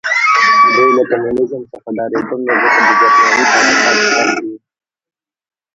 دوی له کمونیزم څخه ډارېدل نو ځکه د جرمني په راتګ خوښ وو